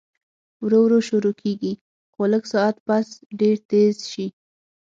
ورو ورو شورو کيږي خو لږ ساعت پس ډېر تېز شي